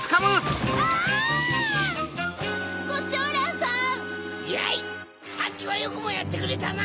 さっきはよくもやってくれたな！